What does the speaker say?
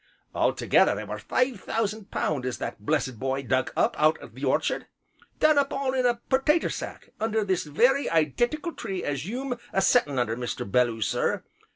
Altogether there were five thousand pound as that blessed b'y dug up out o' the orchard done up all in a pertater sack, under this very i dentical tree as you'm a set tin' under Mr. Belloo sir.